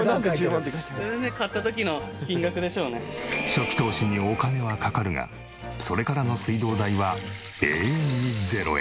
初期投資にお金はかかるがそれからの水道代は永遠に０円。